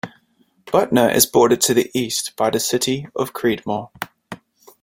Butner is bordered to the east by the city of Creedmoor.